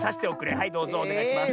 はいどうぞおねがいします。